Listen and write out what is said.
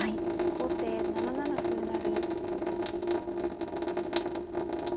後手７七歩成。